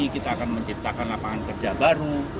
kita akan menciptakan lapangan kerja baru